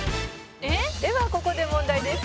「ではここで問題です」